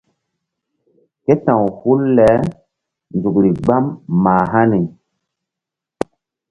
Ké ta̧w hul le nzukri gbam mah hani.